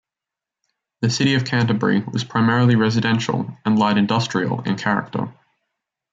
The City of Canterbury was primarily residential and light industrial in character.